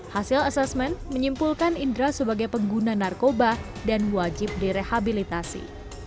hasil asesmen menyimpulkan indra sebagai pengguna narkoba dan wajib direhabilitasi